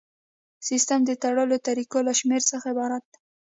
سیسټم د تړلو طریقو له شمیر څخه عبارت دی.